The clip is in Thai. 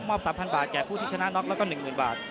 มอบ๓๐๐๐บาทแก่ผู้ชิดชนะน็อคแล้วก็๑๐๐๐๐บาท